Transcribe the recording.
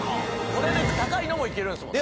これで高いのもいけるんですもんね。